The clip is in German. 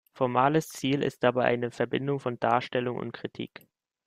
Formales Ziel ist dabei eine Verbindung von Darstellung und Kritik.